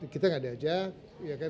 kita nggak ada aja